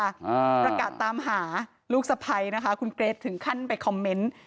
อ่าประกาศตามหาลูกสะพ้ายนะคะคุณเกรทถึงขั้นไปคอมเมนต์